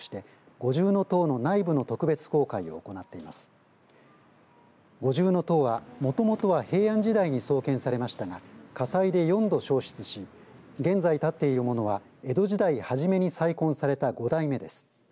五重塔は、もともとは平安時代に創建されましたが火災で４度、焼失し現在建っているものは江戸時代初めに再建された５代目です。